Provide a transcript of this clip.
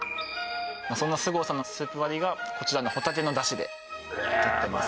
そんな周郷さんのスープ割りがこちらのホタテの出汁でとってます